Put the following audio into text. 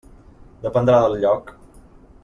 Dependrà del lloc.